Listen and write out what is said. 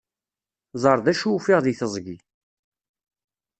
Ẓer d acu ufiɣ deg teẓgi.